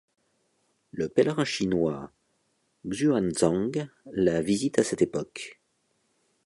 Le pèlerin chinois Xuanzang la visite à cette époque.